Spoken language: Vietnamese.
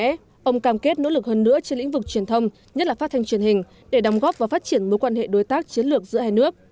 vì vậy ông cam kết nỗ lực hơn nữa trên lĩnh vực truyền thông nhất là phát thanh truyền hình để đóng góp và phát triển mối quan hệ đối tác chiến lược giữa hai nước